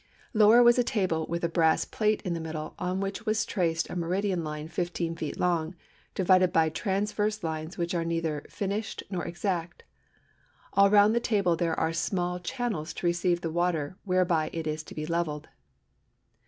Lower was a table with a brass plate in the middle on which was traced a meridian line 15 ft. long, divided by transverse lines which are neither finished nor exact. All round the table there are small channels to receive the water, whereby it is to be levelled."